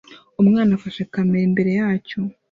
Umwana afashe kamera imbere yacyo